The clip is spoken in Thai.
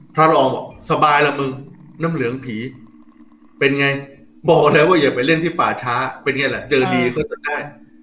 พระรองบอกสบายแล้วมึงน้ำเหลืองผีเป็นไงบอกเลยว่าอย่าไปเล่นที่ป่าช้าเป็นไงล่ะเจอดีก็จะได้